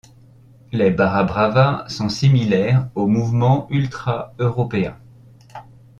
Les barra brava sont similaires au mouvement ultra européen.